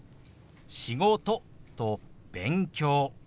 「仕事」と「勉強」。